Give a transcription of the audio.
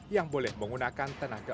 yang boleh menggunakan tenaga